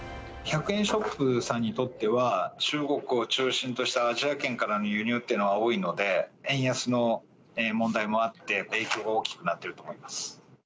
１００円ショップさんにとっては、中国を中心としたアジア圏からの輸入というのが多いので、円安の問題もあって、影響は大きくなっていると思います。